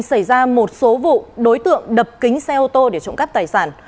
xảy ra một số vụ đối tượng đập kính xe ô tô để trộm cắp tài sản